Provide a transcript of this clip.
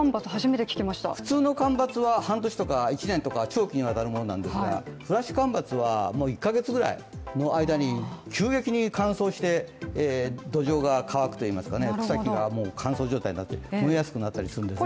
普通の干ばつは半年とか１年とか長期にわたるものなんですが、フラッシュ干ばつは１か月ぐらいの間に急激に乾燥して土壌が乾くといいますか、草木が乾燥状態になって伸びにくくなるんですね。